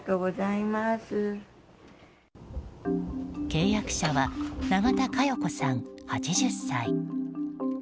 契約者は永田佳代子さん８０歳。